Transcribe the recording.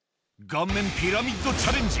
顔面ピラミッドチャレンジ